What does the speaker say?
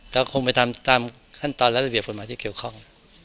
ก็คงไปตามขั้นตอนและระเบียบกฎหมายที่เกี่ยวข้อง